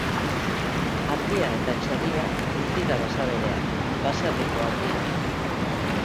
Ardia eta txerria ez dira basabereak baserrikoak dira.